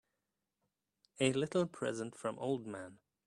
A little present from old man.